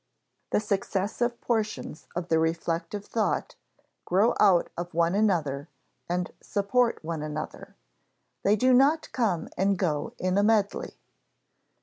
The successive portions of the reflective thought grow out of one another and support one another; they do not come and go in a medley.